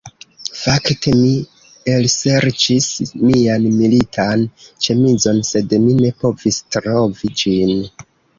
Fakte, mi elserĉis mian militan ĉemizon sed mi ne povis trovi ĝin